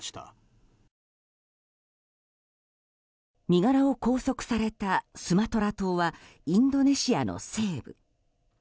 身柄を拘束されたスマトラ島はインドネシアの西部。